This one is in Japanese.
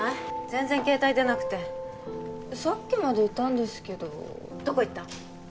全然携帯出なくてさっきまでいたんですけどどこ行った？